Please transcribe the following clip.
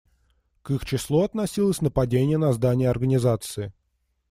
К их числу относилось нападение на здание Организации.